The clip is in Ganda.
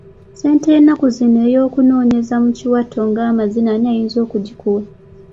Ssente y'ennaku zino ey'okunoonyeza mu kiwato ng'amazina ani ayinza okugikuwa?